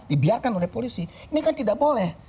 dibiarkan oleh polisi ini kan tidak boleh